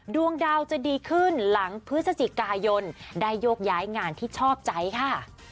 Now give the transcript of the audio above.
ดวงดาวจะดีขึ้นหลังพฤศจิกายนได้โยกย้ายงานที่ชอบใจค่ะ